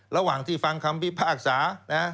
ระหว่างที่ฟังคำพิพากษานะ